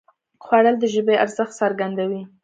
خوړل د ژبې ارزښت څرګندوي